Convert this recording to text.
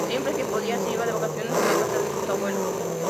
Siempre que podía se iba de vacaciones a la casa de sus abuelos.